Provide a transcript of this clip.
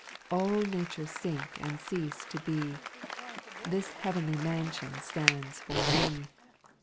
All nature sink and cease to be, This heavenly mansion stands for me.